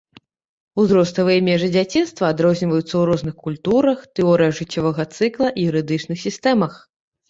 Узроставыя межы дзяцінства адрозніваюцца ў розных культурах, тэорыях жыццёвага цыкла і юрыдычных сістэмах.